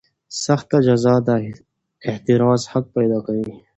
سخته جزا د اعتراض حق پیدا کوي.